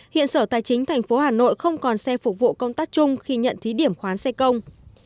hiện sở tài chính tp hà nội không còn xe phục vụ công tác chung khi nhận thí điểm khoán xe công